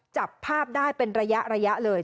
จับภาพได้เป็นระยะเลย